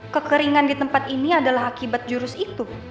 kekeringan di tempat ini adalah akibat jurus itu